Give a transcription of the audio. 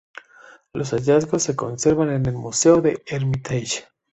Los hallazgos se conservan en el Museo del Hermitage.